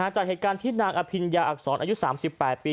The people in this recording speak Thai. จากเหตุการณ์ที่นางอภิญญาอักษรอายุ๓๘ปี